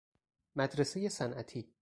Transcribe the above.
مدرسۀ صنعتی